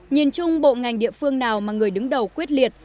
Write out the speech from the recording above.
nhìn chung bộ ngành địa phương nào mà người đứng đầu quyết liệt